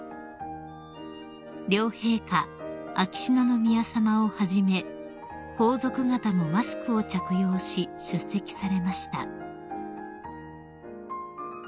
［両陛下秋篠宮さまをはじめ皇族方もマスクを着用し出席されました］